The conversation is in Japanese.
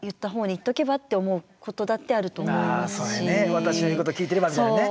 私の言うこと聞いてればみたいなね。